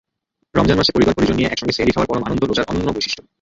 রমজান মাসে পরিবার-পরিজন নিয়ে একসঙ্গে সেহ্রি খাওয়ার পরম আনন্দ রোজার অনন্য বৈশিষ্ট্য।